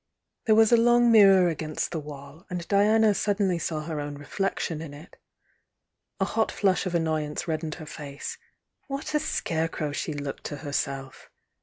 There was a long mirror against the wall, and Diana suddenly saw her own reflection in it. A hot flush of annoyance reddened her face, — what a scarecrow die looked to herself!